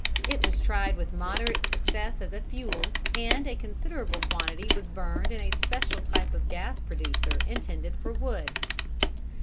It was tried with moderate success as a fuel and a considerable quantity was burned in a special type of gas producer intended for wood.